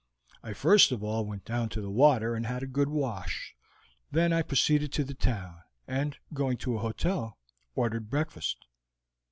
I first of all went down to the water and had a good wash; then I proceeded to the town, and, going to a hotel, ordered breakfast."